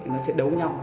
nó sẽ đấu nhau